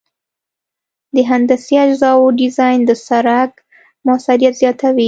د هندسي اجزاوو ډیزاین د سرک موثریت زیاتوي